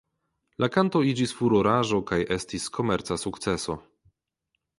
La kanto iĝis furoraĵo kaj estis komerca sukceso.